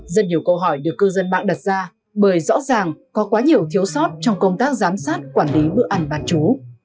rất nhiều câu hỏi được cư dân mạng đặt ra bởi rõ ràng có quá nhiều thiếu sót trong công tác giám sát quản lý bữa ăn bán chú